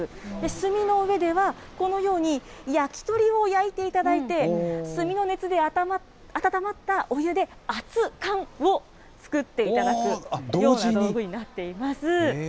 炭の上では、このように、焼き鳥を焼いていただいて、炭の熱で温まったお湯で、熱かんを作っていただくような道具になっています。